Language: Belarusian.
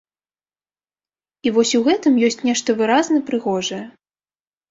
І вось у гэтым ёсць нешта выразна прыгожае.